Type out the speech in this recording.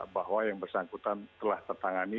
bahwa yang bersangkutan telah tertangani